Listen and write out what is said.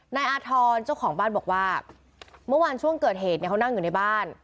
อาธรณ์เจ้าของบ้านบอกว่าเมื่อวานช่วงเกิดเหตุเนี่ยเขานั่งอยู่ในบ้าน